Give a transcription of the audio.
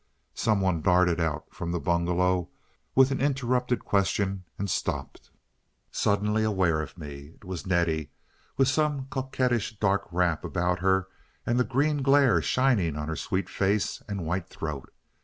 Some one darted out from the bungalow, with an interrupted question, and stopped, suddenly aware of me. It was Nettie, with some coquettish dark wrap about her, and the green glare shining on her sweet face and white throat.